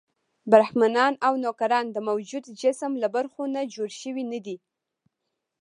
برهمنان او نوکران د موجود جسم له برخو نه جوړ شوي نه دي.